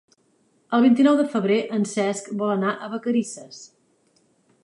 El vint-i-nou de febrer en Cesc vol anar a Vacarisses.